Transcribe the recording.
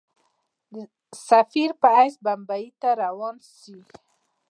سفیر په حیث بمبیی ته روان سي.